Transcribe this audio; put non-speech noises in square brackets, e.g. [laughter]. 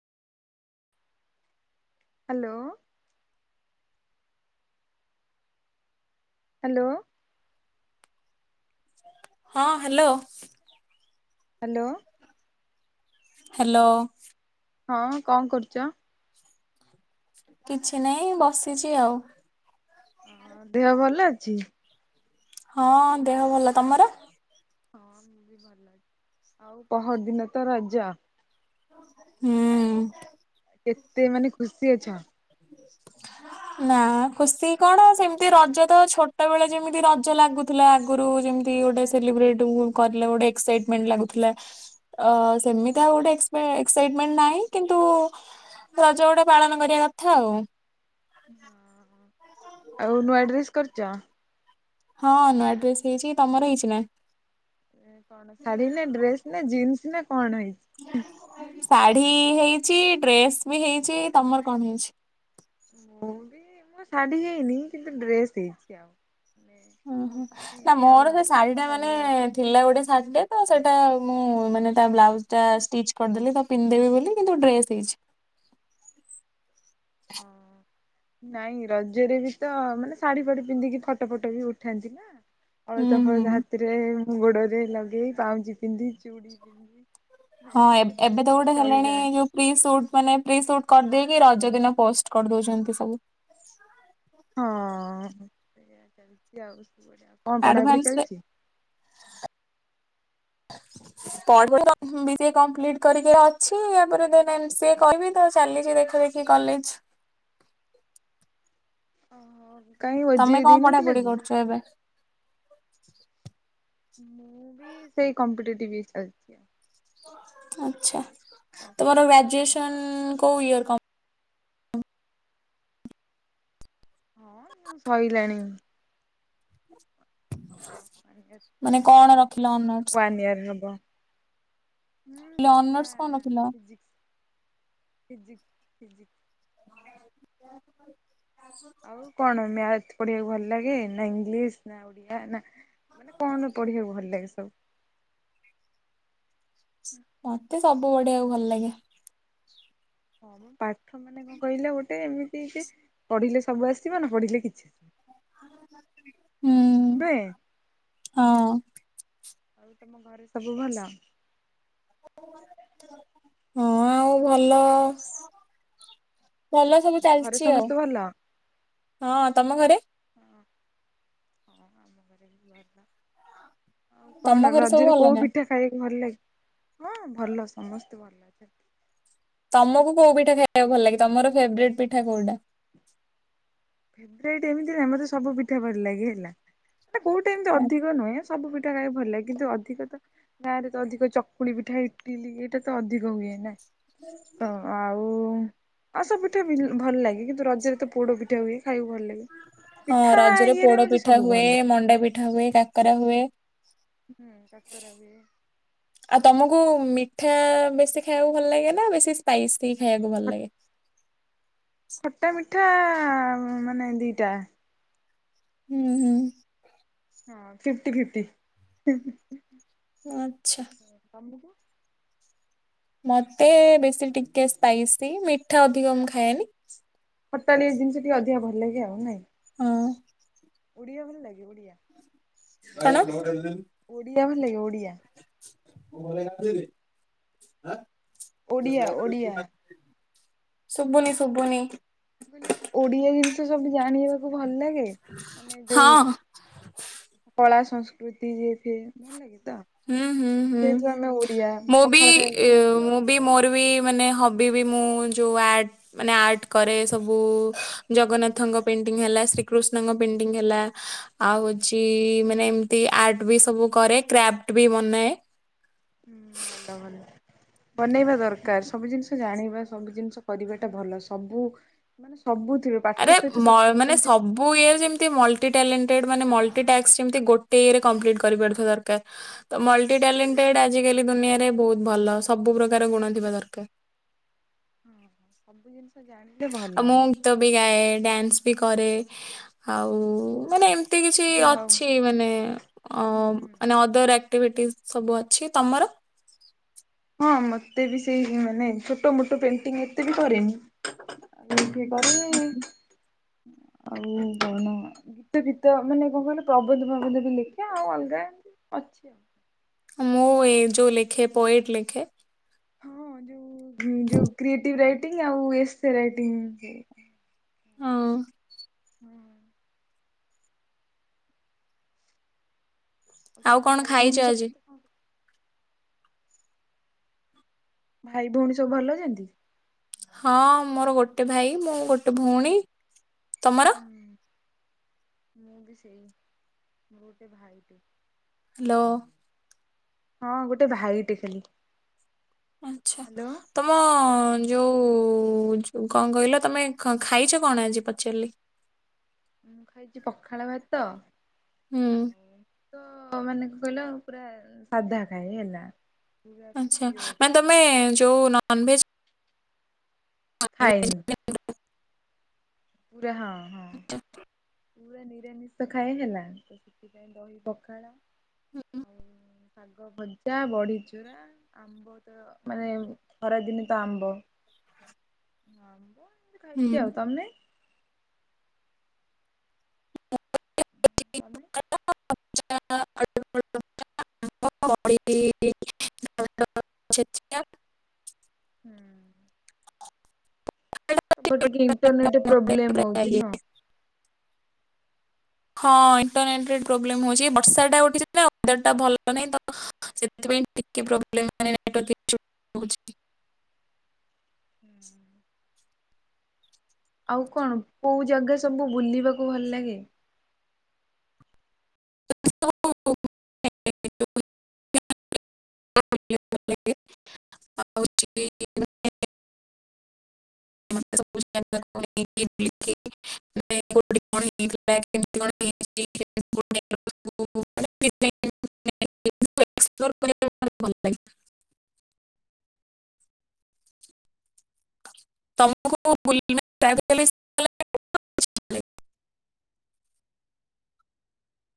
Hello. Hello. ହଁ hello. Hello. Hello. ହଁ କଣ କରୁଚ? କିଛି ନହିଁ ବସିଛି ଆଉ ହ ଦେହ ଭଲ ଅଛି? ହଁ ଦେହ ଭଲ ତମର? ହଁ ମୁ ବି ଭଲ ଲାଗଛି ଆଉ ପହର ଦିନ ତ ରଜ ହୁଁ କେତେ ମାନେ ଖୁସି ଅଛ? ନା ଖୁସି କଣ ସେମିତି ରଜ ତ ଛୋଟ ବେଳେ ଯେମିତି ରଜ ଲାଗୁ ଥିଲା ଆଗରୁ ଯେମିତି ଗୋଟେ ସେଲିବ୍ରେଟ କରିଲେ ଗୋଟେ ଏକ୍ସାଇଟମେଣ୍ଟ ଲାଗୁଥିଲା ଅ ସେମିତି ଆଉ ଗୋଟେ ଏକ୍ସିଇ ଏକ୍ସାଇଟମେଣ୍ଟ ନାହିଁ କିନ୍ତୁ ରଜ ଗୋଡେ ପାଳନ କରିବା କଥା ଆଉ ହଁ ଆଉ ନୁଆ ଡ୍ରେସ୍ କରିଛ? ହଁ ନୂଆ ଡ୍ରେସ ହେଇଛି ତମର ହେଇଛି ନା? କଣ ଶାଢୀ ନା ଡ୍ରେସ ନା ଜିନ୍ସ ନା କଣ ହେଇଛି? ଶାଢୀ ହେଇଛି ଡ୍ରେସ୍ ବି ହେଇଛି ତମର କଣ ହେଇଛି? ମୋ ବି ଏଥର ଶାଢୀ ହେଇନି କିନ୍ତୁ ଡ୍ରେସ ହେଇଛି ଆଉ ମାନେ ହୁଁ ହୁଁ ନା କୁର୍ତ୍ତି ଆଉ ମୋର ସେ ଶାଢୀ ଟା ମାନେ ସାଲୱାର ଥିଲା ଗୋଟେ ଶାଢଟୀଟେ ତ ସେଇଟା ମୁଁ ମାନେ ତା ବ୍ଲାଉଜ ଟା ଷ୍ଟିଚ୍ କରିଦେଲି ତ ପିନ୍ଧେି ବୋଲି କିନ୍ତୁ ଡ୍ରେସ ହେଇଛି ହଁ ନାଇଁ ରଜରେ ବି ତ ମାନେ ଶାଢୀ ଫାଢି ପିନ୍ଧିକି ଫଟୋ ଫଟ ବି ଉଠାନ୍ତି ନା ହୁଁ ଅଳତା ଫଳତା ହୁଁ। ହାତରେ ମୁଁ ଗୋଡରେ ଲଗେଇ ପାଉଁଜି ପିନ୍ଧି ଚୁଡି ପିନ୍ଧି ନାଇଁ ହଁ ଏ ଗୋଟେ ଏବେ ତ ଖୁସି ଗୋଟେ ହେଲାଣି ଅଲଗା ଯୋଉ ପ୍ରି ସୁଟ ମାନେ ପ୍ରି ସୁଟ କରିଦେଇକି ରଜ ଦିନ ପୋଷ୍ଟ କରିଦଉଛନ୍ତି ସବୁ ହଁ ସେଆ ଚାଲିଛି ଆଉ ବଆ ଆଡଭାନ୍ସରେ [inaudible] କପ୍ ହିଁ ବି ସି ଏ କମ୍ପ୍ଲିଟ କରିକି ଅଛି ତାପରେ ତାର ଏମ୍ ସି ଏ କହିବି ତ ଚାଲିଛି ଦେଖ ଦେଖ କି କଲେଜ ଓ ହୋ କାହିଁ ଓଜେଇ ଦେଇନଥିଲା କି ସେବେ ମୁଁ ବି ସେଇ କମ୍ପଟିଲିଛି [unintelligible] ଆଛା ତମର ଗ୍ରେଜୁଏସନ କୋଉ ଇଅର ପା ହଁ ଶଇଲାଣି ବନ୍ୟ [unintelligible] ମାନେ କଣ ରଖିଲ ଅ ୱାନ ଇୟର ହବ ହୁଁ ଥିଲା ଅନର୍ସ କଣ ରଖିଲ? ଫିଜିକ୍ସ। ଫିଜିକ୍ ଫିଜିକ୍ [unintelligible] ଆଉ କଣ ମ୍ୟାଥ୍ ପଢିଆକୁ ଭଲ ଲାଗେ ନା ଇଂଲିଶ ନା ଓଡିଆ ନା ମାନେ କଣ ପଢିଆକୁ ଭଲ ଲାଗେ ସବୁ? ମତେ ସବୁ ପଢିଆକୁ ଭଲ ଲାଗେ। ହଁଁ ମୋ ପାଠ ମା ମାନେ କଣ କହିଲ ଗୋଟେ ଏମିତି ଯେ ପଢିଲେ ସବୁ ଆସିବ ନ ପଢିଲେ କିଛି ହୁଁ। ନୁହେଁ। ହଁ। ଆଉ ତମ ଘରେ ସବୁ ଭଲ? ହଁ ଆଉ ଭଲ ଭଲ ସବୁ ଘରେ ଚାଲଚି ଆଉ। ସମସ୍ତେ ଭଲ? ହଁ ତମ ଘରେ? ହଁ ଆମ ଘରେ ବି ଭଲ। ଆଉ ତମ କଣ ଘରେ ସବୁ ରଜରେ ଭଲ କୋଉ ନା? ପିଠା ଖାଇଆକୁ ଭଲ ଲାଗେ। ତମକୁ କୋଉ ପିଠା ଖାଇଆକୁ ଭଲ ଲାଗେ। ତମର ଫେବ୍ରେଟ୍ ପିଠା କୋଉଟା? ଫେଭରାଇଟ ଏମିତି ନାଇଁ ଆମର ସବୁ ପିଠା ଭଲ ଲାଗେ ହେଲା ମାନେ କୋଉଟା ଏମିତି ଅଧିକ ନୁହେଁ। ସବୁ ପିଠା ଖାଇଆକୁ ଭଲ ଲାଗେ। କିନ୍ତୁ ଅଧିକ ତ ଗାଁରେ ତ ଅଧିକ ଚକୁଳିପିଠା ଇଟିଲି ଏଇଟା ତ ଅଧିକ ହୁଏ ନା। ତ ଆଉ ଆଉ ସବୁ ପିଠା ବି ଭଲ ଲାଗେ। କିନ୍ତୁ ରଜରେ ତ ପୋଡ ପି ଠା ହୁଏ। ଖାଇଆକୁ ଭଲ ଲାଗେ। ହଁ ପିଠା ରଜରେ ଇଏରେ ମତେ ପୋଡପିଠା ସବୁ ହୁଏ, ଭଲ ଲାଗେ ମଣ୍ଡାପିଠା ହୁଏ, କାକରା ହୁଏ। ହୁଁ କାକାରା ହୁଏ। ଆଉ ତମୁକୁ ମିଠା ବେଶୀ ଖାଇଆକୁ ଭଲ ଲାଗେ ନା ବେଶୀ ସ୍ପାଇସି ଖାଇଆକୁ ଭଲ ଖ ଲାଗେ? ଖଟା ମିଠା ମାନେ ଦିଟା। ହୁଁ ହୁଁ। ହଁ ଫିପ୍ଟି ଫିପ୍ଟି। ଆଚ୍ଛା। ହଁ ତମୁକୁ? ମତେ ବେଶୀ ଟିକେ ସ୍ପାଇସି ମିଠା ଅଧିକ ମୁଁ ଖାଏନି। ଖଟାଳିଆ ଜିନିଷ ଟିକେ ଅଧିକା ଭଲ ଲାଗେ ଆଉ ନାଇଁ? ହଁ। ଓଡ଼ିଆ ଭଲ ଲାଗେ ଓଡ଼ିଆ? କଣ? ଓଡ଼ିଆ ଭଲ ଲାଗେ ଓଡ଼ିଆ? ବୋଉ କହିଲା ଏଇଆ ଯିବି ଓଡିଆ ଓଡିଆ ଆଁ ମୁଁ [unintelligible] ଶୁଭୁନି ଶୁଭୁନି? ମୁଁ କହିଲି ଓଡିଆ ଜିନିଷ ସବୁ ଜାଣିବାକୁ ଭଲ ଲା ଗେ ମାନେ ଯୋଉ ହଁ କଳା ସଂସ୍କୃତି ଇଏ ଫିଏ ଭଲ ଲାଗେ ତ? ହୁଁ, ହୁଁ, ହୁଁ, ଯେହେତୁ ଆମେ ଓଡିଆ ମୁଁ ବି ପଖାଳ ଖାଇବାକୁ ମୁଁ ବି ମୋର ବି ମାନେ ହବି ବି ମୁଁ ଯୋଉ ଆ ମାନେ ଆର୍ଟ କରେ ସବୁ ହୁଁ ଜଗନ୍ନାଥଙ୍କ ପେଣ୍ଟିଂ ହେଲା ଶ୍ରୀକୃଷ୍ଣଙ୍କ ହୁଁ। ପେଣ୍ଟିଂ ହେଲା ଆଉ ହଉଛି ମାନେ ଏମତି ଆର୍ଟ ବି ସବୁ କରେ। କ୍ରାଫ୍ଟ ବି ବନାଏ। ହୁଁ ଭଲ ଭଲ। ବନେଇବା ଦରକାର ସବୁ ଜିନିଷ ଜାଣିବା ସବୁ ଜିନିଷ କରିବାଟା ଭଲ ସବୁ ମାନେ ସବୁଥିରୁ ପାଠ ସହିତ ସାଠ ବି ଯେନ୍ତି ବୁ ଇଏରେ ଯେମତି ମଲ୍ଟି ଟ୍ୟାଲେଣ୍ଟେଡ ମାନେ ମଲ୍ଟିଟାସ୍କ ଯେମିତି ଗୋଟେ ଇଏରେ କମ୍ପ୍ଲିଟ୍ କରିପାରୁଥିବା ଦରକାର। ତ ମଲ୍ଟିଟ୍ୟାଲେଣ୍ଟେଡ ଆଜିକାଲି ଦୁନିଆରେ ବହୁତ ଭଲ ସବୁ ପ୍ରକାର ଗୁଣ ଥିବା ଦରକାର। ସବୁ ଜିନିଷ ଜାଣିଲେ ଆଉ ଭଲ। ମୁଁ ଗୀତ ବି ଗାଏ, ଡ୍ୟାନ୍ସ ବି କରେ, ଆଉ ମାନେ ଏମିତି କିଛି ଯାହା ହଉ ଅଛି ମାନେ ଅ ହୁଁ ହୁଁ। ମାନେ ଅଦର ଆ ଆକ୍ଟିଭିଟି ସବୁ ଅଛି ତମର? ହଁ ମତେ ବି ସେଇ ମାନେ ଛୋଟ ମୋଟ ପେଣ୍ଟିଂ ଏତେ ବି କରେନି। ଆ ଏ ହୁଁ। ଆଉ କଣ? ଗୀତ ଗୀତ ମାନେ କଣ କହିଲ ପ୍ରବନ୍ଧ ପ୍ରବନ୍ଧ ବି ଲେଖେ ଆଉ ଅଲଗା ଅଛି ଆଉ ମୁଁ ଏ ଯୋଉଁ ଲେଖେ ପୋଏଟ୍ ଲେଖେ। ହଁ ଯୋଉ ଯୋଉ କ୍ରିଏଟିଭ ରାଇଟିଂ ଆଉ ଏସେ ରାଇଟିଙ୍ଗ। ହଁ। ହୁଁ। ହଉ ଆଉ ତମ କଣ ଭାଇ ଖାଇଛ ଭଉଣୀ ଆଜି? ସବୁ କଣ? ଭାଇ ଭଉଣୀ ସବୁ ଭଲ ଅଛନ୍ତି। ହଁ ମୋର ଗୋଟେ ଭାଇ ମୁଁ ଗୋଟେ ଭଉଣୀ ତମର? ହୁଁ ମୁଁ ବି ସେଇ ଗୋଟେ ଭାଇଟେ। ହ୍ୟାଲୋ। ହଁ ଗୋଟେ ଭାଇଟେ ଖାଲି। ଆଛା ହ୍ୟାଲୋ ତମ ହଁ ଯୋଉ ଓ କଣ କହିଲ ତମେ ଖାଇଛ କଣ ଆଜି ପଚାରିଲି? ମୁଁ ଖାଇଛି ପଖାଳ ଭାତ ହୁଁ। ଆଉ ତ ମାନେ କହିଲ ପୁରା ସାଧା ଖାଏ ହେଲା। ପୁରା ଆଛା ପିଓର ମାନେ ତମେ ଯୋଉ ନନଭେଜ ଖାଏନି। ପୁରା ହଁ ହଁ। ପୁରା ନିରାମିଷ ଖାଏ ହେଲା ତ ସେଥିପାଇଁ ଦହି ପଖାଳ। ଆଉ ଶାଗ ଭଜା ବଡି ଚୁରା ଆ ଆମ୍ଵ ତ ମାନେ ଖରାଦିନେ ତ ଆମ୍ବ ଆବ ହୁଁ। ଖାଇଛି ଆଉ ତମେ? [inaudible] ତମେ [unintelligible] [inaudible] ହୁଁ। ତମର ଟିକେ ଇଣ୍ଟରନେଟ ପ୍ରୋବ୍ଲେମ ହଉଛି ନୁହେଁ। ହଁ ଇଣ୍ଟରନେଟ ପ୍ରୋବ୍ଲେମ ହଉଛି ବର୍ଷାଟା ଉଠିଛିର ପାଗଟା ଭଲ ନାହିଁ ତ ସେଥିପାଇଁ [inaudible] ହୁଁ। ଆଉ କଣ କୋଉ ଜାଗା ସବୁ ବୁଲିବାକୁ ଭଲ ଲାଗେ। ଆ [inaudible] [inaudible] [inaudible] [inaudible] ଏକ୍ସପ୍ଲୋର [inaudible] [inaudible] ଭଲ ଲାଗେ